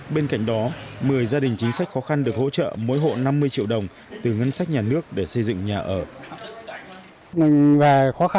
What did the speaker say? bên cạnh đó một mươi gia đình chính sách khó khăn được hỗ trợ mỗi hộ năm mươi triệu đồng từ ngân sách nhà nước để xây dựng nhà ở